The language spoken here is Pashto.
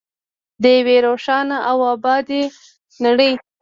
د یوې روښانه او ابادې نړۍ.